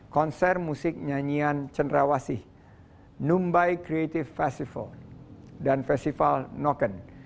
konser musik nyanyian cenderawasih numbai creative festival dan festival noken